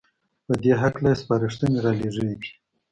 په دې هکله يې سپارښنې رالېږلې دي